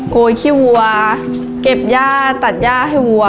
โกยขี้วัวเก็บญาติตัดญาติให้วัว